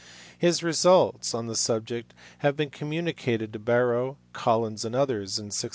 290), his results on this subject had been communicated to Barrow, Collins, and others in 1669.